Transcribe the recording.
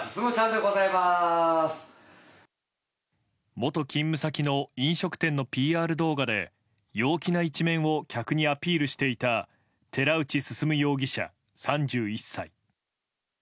元勤務先の飲食店のＰＲ動画で陽気な一面を客にアピールしていた寺内進容疑者、３１歳。